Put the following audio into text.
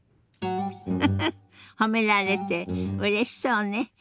フフッ褒められてうれしそうね。